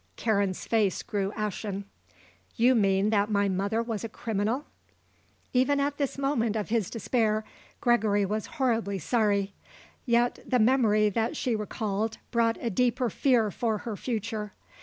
Karen's face grew ashen. "You mean that my mother was a criminal?" Even at this moment of his despair Gregory was horribly sorry. Yet the memory that she recalled brought a deeper fear for her future.